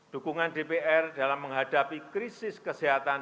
dukungan dpr dalam menghadapi krisis kesehatan